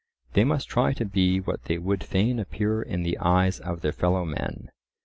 They must try to be what they would fain appear in the eyes of their fellow men.